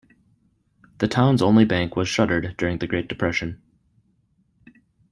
The town's only bank was shuttered during the Great Depression.